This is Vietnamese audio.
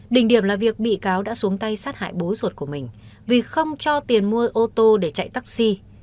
đỉnh điểm là việc bị cáo đã xuống tay sát hại bố ruột của mình vì không cho tiền mua ô tô để chạy taxi